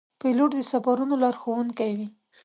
پیلوټ د سفرونو لارښوونکی وي.